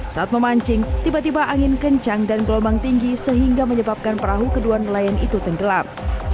saat memancing tiba tiba angin kencang dan gelombang tinggi sehingga menyebabkan perahu kedua nelayan itu tenggelam